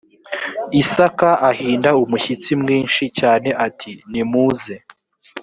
isaka ahinda umushyitsi mwinshi cyane ati nimuze